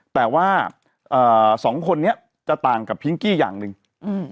แต่ว่าเอ่อสองคนเนี้ยจะต่างกับพิงกี้อย่างหนึ่งอืม